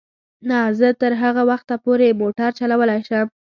نه، زه تر هغه وخته پورې موټر چلولای شم.